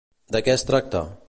De què es tracta?